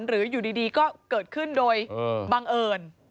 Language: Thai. หรืออยู่ดีก็เกิดขึ้นโดยบังเอิญ